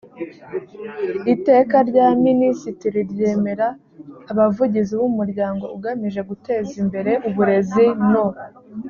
iteka rya minisitiri ryemera abavugizi b umuryango ugamije guteza imbere uburezi no